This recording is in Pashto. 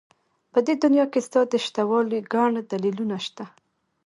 په دې دنيا کې ستا د شتهوالي گڼ دلیلونه شته.